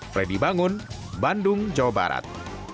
freddy bangun bandung jawa barat